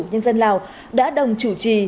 nhân dân lào đã đồng chủ trì